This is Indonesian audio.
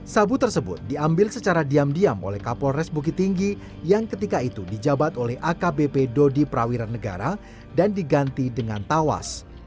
sabu tersebut diambil secara diam diam oleh kapolres bukit tinggi yang ketika itu dijabat oleh akbp dodi prawiran negara dan diganti dengan tawas